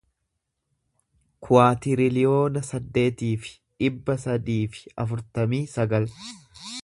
kuwaatiriliyoona saddeetii fi dhibba sadii fi afurtamii sagal